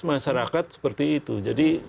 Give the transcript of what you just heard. masyarakat seperti itu jadi